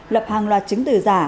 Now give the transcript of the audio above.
lập hàng loạt chứng từ giả